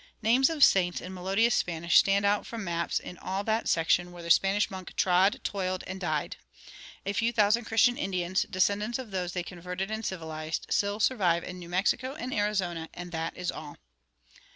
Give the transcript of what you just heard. Names of saints in melodious Spanish stand out from maps in all that section where the Spanish monk trod, toiled, and died. A few thousand Christian Indians, descendants of those they converted and civilized, still survive in New Mexico and Arizona, and that is all."